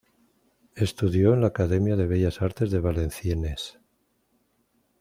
Estudió en la Academia de Bellas Artes de Valenciennes.